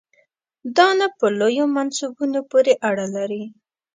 دا نه په لویو منصبونو پورې اړه لري.